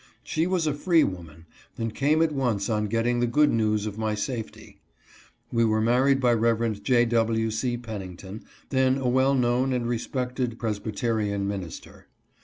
She was a free woman, and came at once on getting the good news of my safety. We were married by Rev. J. W. C. Pen nington, then a well known and respected Presbyterian minister.